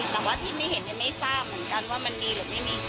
แต่ว่าที่ไม่เห็นไม่ทราบเหมือนกันว่ามันมีหรือไม่มี